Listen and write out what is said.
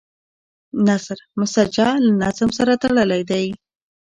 نثر مسجع له نظم سره تړلی دی.